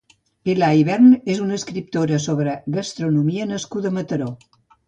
Pilar Ibern és una escriptora sobre gastronomia nascuda a Mataró.